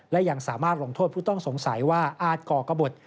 และยังสามารถลงโทษผู้ต้องสงสัยว่าอาจก่อกระบด